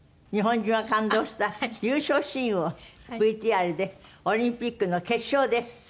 日本中が感動した優勝シーンをＶＴＲでオリンピックの決勝です。